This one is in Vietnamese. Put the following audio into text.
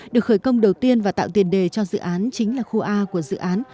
được khởi công đầu tiên và tạo tiền đề cho dự án chính là khu a của dự án